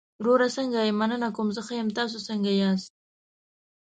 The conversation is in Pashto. وروره څنګه يې؟ مننه کوم، زه ښۀ يم، تاسو څنګه ياستى؟